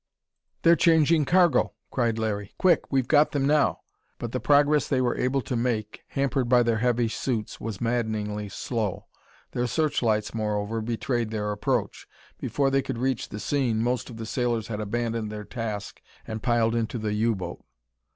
"They're changing cargo!" cried Larry. "Quick! We've got them now!" But the progress they were able to make, hampered by their heavy suits, was maddeningly slow. Their searchlights, moreover, betrayed their approach. Before they could reach the scene, most of the sailors had abandoned their task and piled into the U boat.